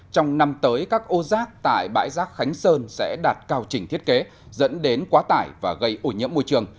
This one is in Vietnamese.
trong năm tới các ô rác tải bãi rác khánh sơn sẽ đạt cao chỉnh thiết kế dẫn đến quá tải và gây ổn nhiễm môi trường